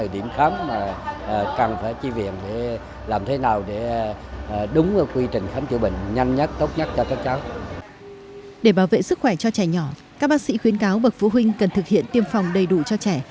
để bảo vệ sức khỏe cho trẻ nhỏ các bác sĩ khuyến cáo bậc phụ huynh cần thực hiện tiêm phòng đầy đủ cho trẻ